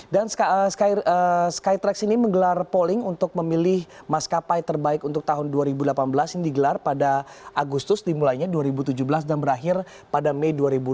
dan skytrax ini menggelar polling untuk memilih maskapai terbaik untuk tahun dua ribu delapan belas yang digelar pada agustus dimulainya dua ribu tujuh belas dan berakhir pada mei dua ribu delapan belas